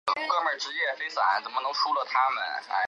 很大程度上促成音乐游戏的发展。